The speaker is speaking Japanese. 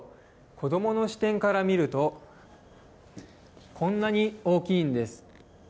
子供の視点から見るとこんなに大きいんです。